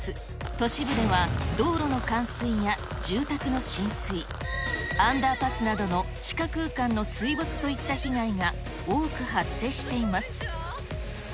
都市部では道路の冠水や住宅の浸水、アンダーパスなどの地下空間の水没といった被害が多く発生しています。